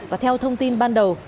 và theo thông tin ban đầu